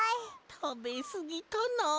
たべすぎたなあ。